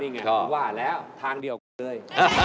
นี่ไงผมว่าแล้วทางเดียวกันเลย